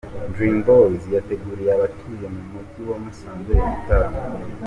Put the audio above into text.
Dream Boyz yateguriye abatuye mu mujyi wa Musanze igitaramo.